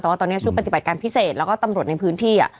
แต่ว่าตอนนี้ชุดปฏิบัติการพิเศษแล้วก็ตำรวจในพื้นที่